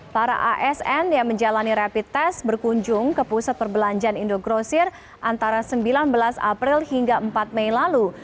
para asn yang menjalani rapid test berkunjung ke pusat perbelanjaan indogrosir antara sembilan belas april hingga empat mei lalu